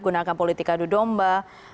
gunakan politika dudomba